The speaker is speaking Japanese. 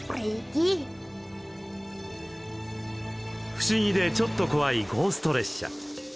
不思議でちょっと怖いゴースト列車。